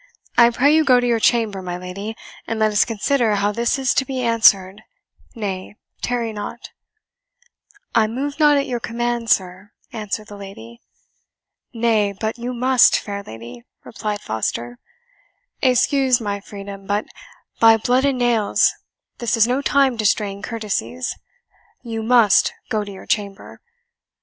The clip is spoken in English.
"I pray you go to your chamber, my lady, and let us consider how this is to be answered nay, tarry not." "I move not at your command, sir," answered the lady. "Nay, but you must, fair lady," replied Foster; "excuse my freedom, but, by blood and nails, this is no time to strain courtesies you MUST go to your chamber.